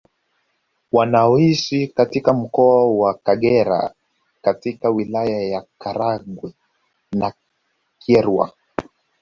Wanaoishi katika mkoa wa Kagera katika wilaya ya Karagwe na Kyerwa